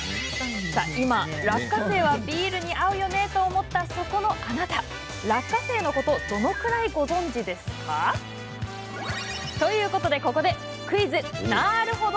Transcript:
今、落花生はビールに合うよねと思った、そこのあなた落花生のことどのくらい知ってます？ということで、突然ですがクイズなーるほど！